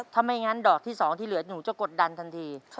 ถ้าไม่งั้นดอกที่๒ที่เหลือหนูจะกดดันทันที